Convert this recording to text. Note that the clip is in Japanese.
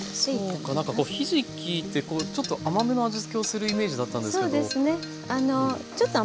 そうか何かこうひじきってちょっと甘めの味付けをするイメージだったんですけど。